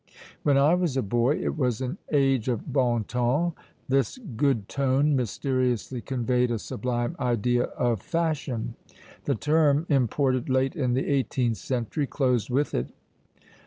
When I was a boy, it was an age of bon ton; this good tone mysteriously conveyed a sublime idea of fashion; the term, imported late in the eighteenth century, closed with it.